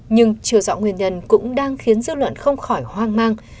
nhưng trừ dõi nguyên nhân cũng đang khiến dư luận không khỏi hoang mang